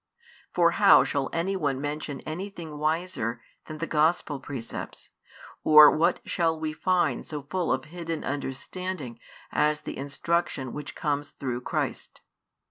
For how shall any one mention any thing wiser than the Gospel precepts, or what shall we find so full of hidden understanding as the instruction which comes through Christ?